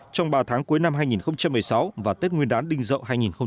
trong ba tháng cuối năm hai nghìn một mươi sáu và tết nguyên đán đinh dậu hai nghìn một mươi chín